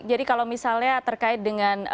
jadi kalau misalnya terkait dengan